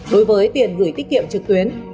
đối với tiền gửi tiết kiệm trực tuyến